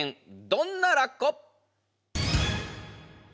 どんなラッコ？